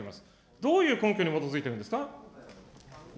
どういう根拠に基づいているんですか。